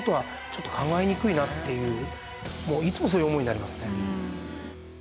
もういつもそういう思いになりますね。